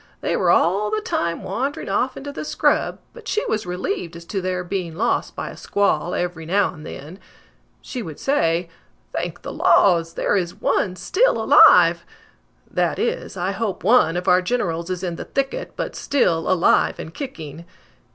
They were all the time wandering off into the scrub, but she was relieved as to their being lost by a squall every now and then. She would say: 'Thank the laws, there is one still alive!' That is, I hope one of our generals is in the thicket, but still alive and kicking!"